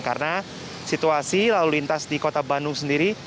karena situasi lalu lintas di kota bandung sendiri